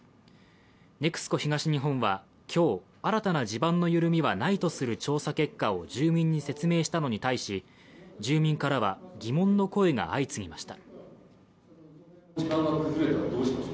ＮＥＸＣＯ東日本は今日、新たな地盤の緩みはないとする住民に説明したのに対し、住民からは、疑問の声が相次ぎました。